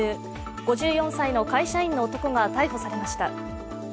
５４歳の会社員の男が逮捕されました。